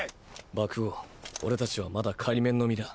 爆豪俺達はまだ仮免の身だ。